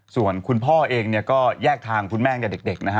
ส่วนคุณพ่อเองเนี่ยก็แยกทางคุณแม่กับเด็กนะฮะ